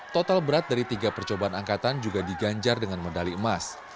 total berat dari tiga percobaan angkatan juga diganjar dengan medali emas